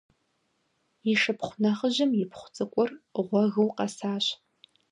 И шыпхъу нэхъыжьым ипхъу цӏыкӏур гъуэгыу къэсащ.